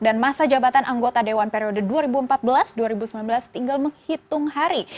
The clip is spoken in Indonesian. dan masa jabatan anggota dewan periode dua ribu empat belas dua ribu sembilan belas tinggal menghitung hari